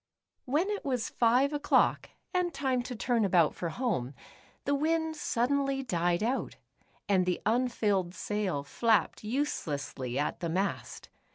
When it was five o'clock, and time to turn about for home, the wind suddenly died out. and the unfilled sail flapped uselessly at the mast.